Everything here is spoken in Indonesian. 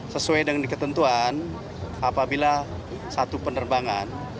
sesuai dengan ketentuan apabila satu penerbangan